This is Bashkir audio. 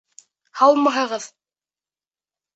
Һаумыһығыҙ?!